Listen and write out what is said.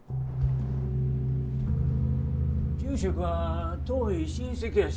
住職は遠い親戚やし。